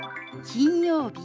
「金曜日」。